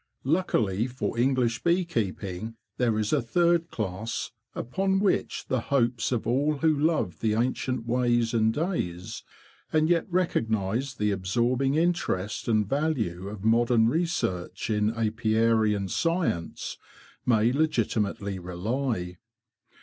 Luckily for English bee keeping, there is a third class upon which the hopes of all who love the ancient ways and days, and yet recognise the absorbing interest and value of modern research in apiarian science, may legitimately rely.